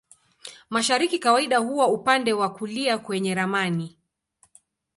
Mashariki kawaida huwa upande wa kulia kwenye ramani.